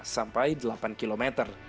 lima sampai delapan km